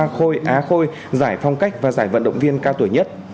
khôi á khôi giải phong cách và giải vận động viên cao tuổi nhất